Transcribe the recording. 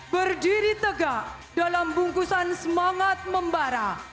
berdiri tegak dalam bungkusan semangat membara